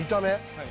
はい。